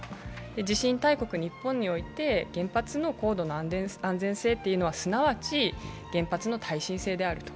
地震大国日本において、原発の高度な安全性というのはすなわち、原発の耐震性であると。